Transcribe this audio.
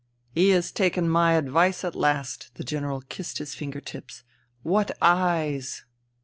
" He has taken my advice at last." The General kissed his finger tips. " What eyes